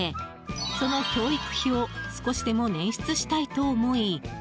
その教育費を少しでも捻出したいと思い